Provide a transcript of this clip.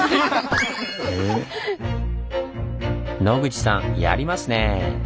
野口さんやりますね。